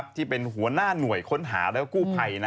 ที่เป็นหัวหน้าหน่วยค้นหาและกู้ภัย